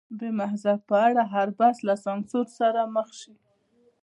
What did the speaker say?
د مذهب په اړه هر بحث له سانسور سره مخ شي.